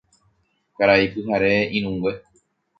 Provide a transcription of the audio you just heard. Karai pyhare irũngue